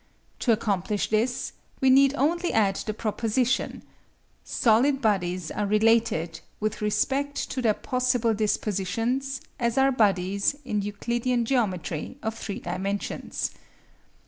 To accomplish this, we need only add the proposition: Solid bodies are related, with respect to their possible dispositions, as are bodies in Euclidean geometry of three dimensions.